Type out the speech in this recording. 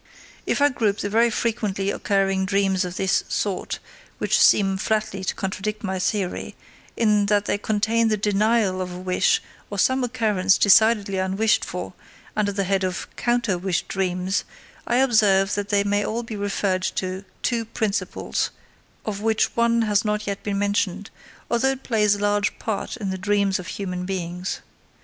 If I group the very frequently occurring dreams of this sort, which seem flatly to contradict my theory, in that they contain the denial of a wish or some occurrence decidedly unwished for, under the head of "counter wish dreams," I observe that they may all be referred to two principles, of which one has not yet been mentioned, although it plays a large part in the dreams of human beings.